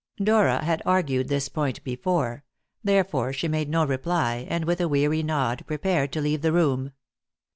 Dora had argued this point before; therefore she made no reply, and with a weary nod prepared to leave the room.